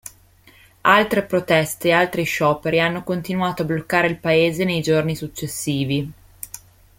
Altre proteste e altri scioperi hanno continuato a bloccare il paese nei giorni successivi.